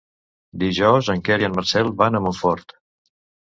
Dijous en Quer i en Marcel van a Montfort.